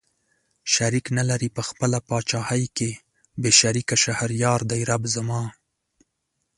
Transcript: شريک نه لري په خپله پاچاهۍ کې بې شريکه شهريار دئ رب زما